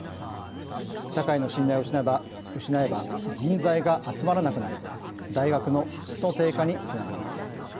社会の信頼を失えば人材が集まらなくなり大学の質の低下につながります。